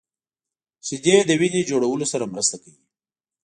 شیدې د وینې جوړولو سره مرسته کوي